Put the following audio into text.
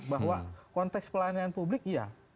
bahwa konteks pelayanan publik iya